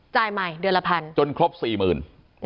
จ่ายใหม่เดือนละพันจนครบสี่หมื่น